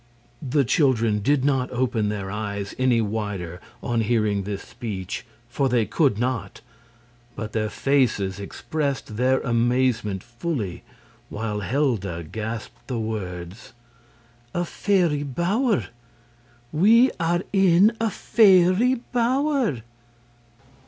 The children did not open their eyes any wider on hearing this speech, for they could not; but their faces expressed their amazement fully, while Helda gasped the words: "A fairy bower! We are in a fairy bower!"